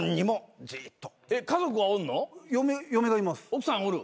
奥さんおる？